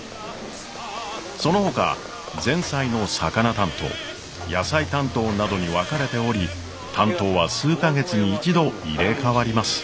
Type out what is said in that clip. そのほか前菜の魚担当野菜担当などに分かれており担当は数か月に一度入れ代わります。